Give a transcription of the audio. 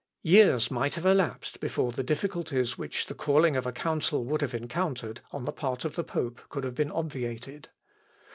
Years might have elapsed before the difficulties which the calling of a Council would have encountered on the part of the pope could have been obviated.